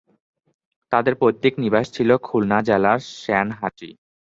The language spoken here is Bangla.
তাদের পৈতৃক নিবাস ছিল খুলনা জেলার সেনহাটী।